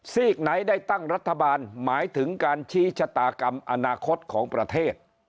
กไหนได้ตั้งรัฐบาลหมายถึงการชี้ชะตากรรมอนาคตของประเทศ